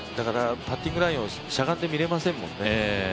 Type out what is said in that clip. パッティングラインをしゃがんで見れませんもんね。